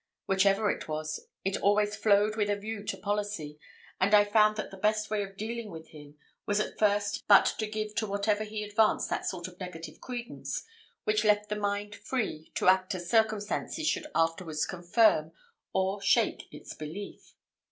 Whichever it was, it always flowed with a view to policy; and I found that the best way in dealing with him was at first but to give to whatever he advanced that sort of negative credence, which left the mind free to act as circumstances should afterwards confirm or shake its belief.